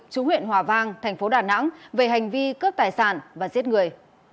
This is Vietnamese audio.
chú huyện hòa vang thành phố đà nẵng về hành vi cướp tài sản và giết người